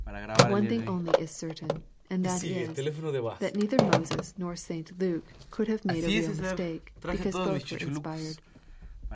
One thing only is certain, and that is, that neither Moses nor St Luke could have made a real mistake, because both were inspired.